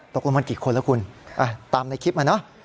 ตกลงมันกี่คนแล้วคุณตามในคลิปมาเนอะ